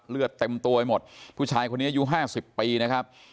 เลือดเต็มตัวไปหมดผู้ชายคนนี้อายุห้าสิบปีนะครับ